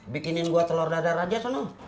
bikinin gua telor dadar aja suno